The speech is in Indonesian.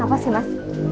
kenapa sih mas